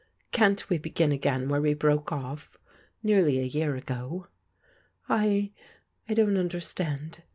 Can't we begin again where we broke oflf, nearly a year ago?" " I— I don't understand."